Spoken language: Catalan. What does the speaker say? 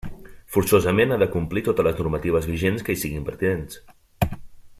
Forçosament ha de complir totes les normatives vigents que hi siguin pertinents.